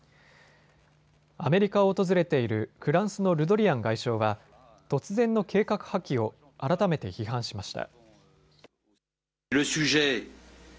アメリカを訪れているフランスのルドリアン外相は突然の計画破棄を改めて批判しました。